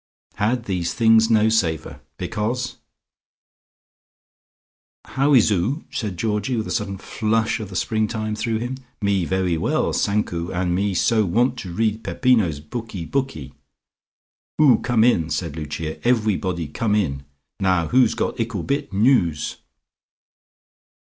Had these things no savour, because "How is 'oo?" said Georgie, with a sudden flush of the spring time through him. "Me vewy well, sank 'oo and me so want to read Peppino's bookie bookie." "'Oo come in," said Lucia. "Evewybody come in. Now, who's got ickle bit news?"